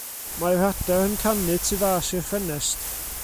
Mae'r adar yn canu tu fas i'r ffenest.